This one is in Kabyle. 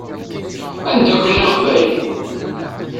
Anda-ken a Leqbayel?